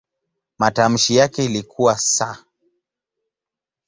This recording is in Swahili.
Matamshi yake ilikuwa "s".